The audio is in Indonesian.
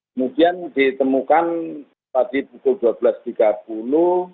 kemudian ditemukan tadi pukul dua belas tiga puluh